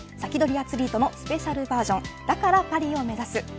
アツリートのスペシャルバージョンだからパリを目指す！